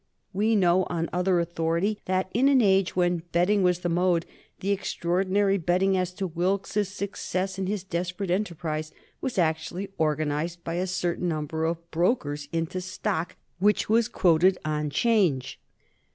We know on other authority that in an age when betting was the mode the extraordinary betting as to Wilkes's success in his desperate enterprise was actually organized by a certain number of brokers into stock which was quoted on 'Change.